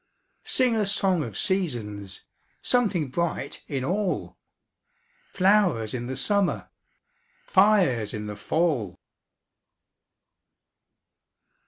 Sing a song of seasons! Something bright in all! Flowers in the summer, Fires in the fall!